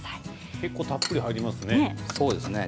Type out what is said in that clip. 結構、たっぷり入りますね。